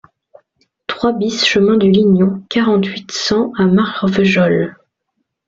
trois BIS chemin du Lignon, quarante-huit, cent à Marvejols